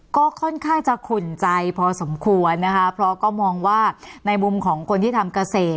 ก็ค่อนข้างจะขุ่นใจพอสมควรนะคะเพราะก็มองว่าในมุมของคนที่ทำเกษตร